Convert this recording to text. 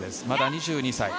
まだ２２歳。